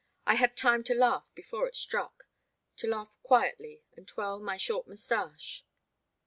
I had time to laugh before it struck, — to laugh quietly and twirl my short mustache.